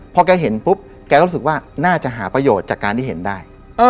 พอแกเห็นปุ๊บแกก็รู้สึกว่าน่าจะหาประโยชน์จากการที่เห็นได้